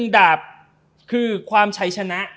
ดาบคือความชัยชนะ